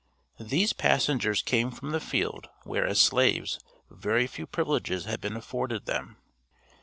These passengers came from the field where as slaves very few privileges had been afforded them.